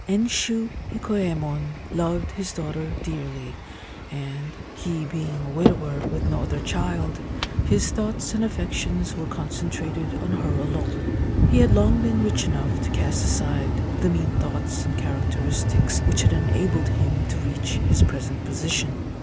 Enshu Hikoyemon loved his daughter dearly, and, he being a widower with no other child, his thoughts and affections were concentrated on her alone. He had long been rich enough to cast aside the mean thoughts and characteristics which had enabled him to reach his present position.